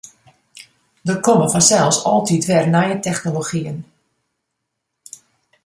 Der komme fansels altyd wer nije technologyen.